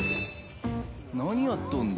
何やっとんだ？